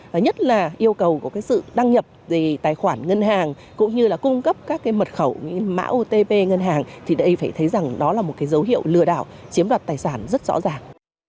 và nhất là yêu cầu của cái sự đăng nhập về tài khoản ngân hàng cũng như là cung cấp các cái mật khẩu mã otp ngân hàng thì đây phải thấy rằng đó là một cái dấu hiệu lừa đảo chiếm đoạt tài sản rất rõ ràng